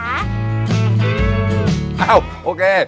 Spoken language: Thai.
เอ้าโอเค